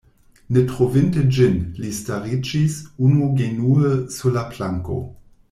Ne trovinte ĝin, li stariĝis unugenue sur la planko.